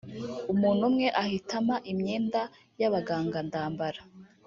umuntu umwe ahita ampa imyenda y’abaganga ndambara